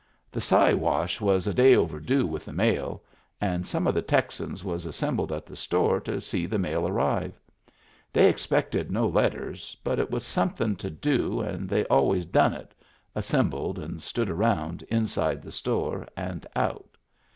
The Siwash was a day Digitized by Google 2s8 MEMBERS OF THE FAMILY overdue with the mail, and some of the Texans was assembled at the store to see the mail arrive. They expected no letters, but it was somethin* to do and they always done it — assembled and stood around inside the store and out.